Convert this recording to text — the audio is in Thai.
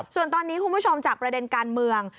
ส่วนตอนนี้คุณผู้ชมจากประเด็นการเมือง